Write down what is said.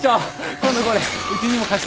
今度これうちにも貸してくださいよ！